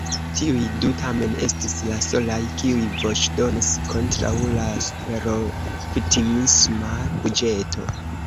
Tiuj du tamen estis la solaj, kiuj voĉdonis kontraŭ la superoptimisma buĝeto.